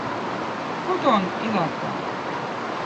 Koton ilata.